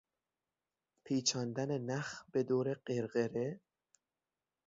پیچاندن نخ به دور قرقره